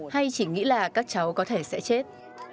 hay chỉ nghĩ là các cháu có thể sẽ chết